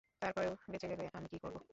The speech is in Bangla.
তারপরেও বেঁচে গেলে আমি কী করব?